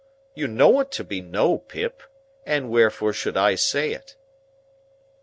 You know it to be No, Pip, and wherefore should I say it?"